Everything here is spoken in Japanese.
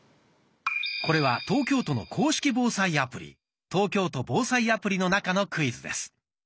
これは東京都の公式防災アプリ「東京都防災アプリ」の中のクイズです。